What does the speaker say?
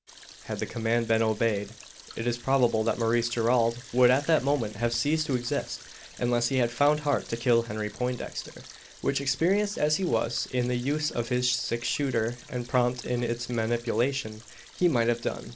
Had the command been obeyed, it is probable that Maurice Gerald would at that moment have ceased to exist unless he had found heart to kill Henry Poindexter; which, experienced as he was in the use of his six shooter, and prompt in its manipulation, he might have done.